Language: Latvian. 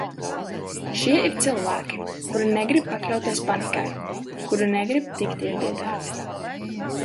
Šie ir cilvēki, kuri negrib pakļauties panikai, kuri negrib tikt iebiedēti.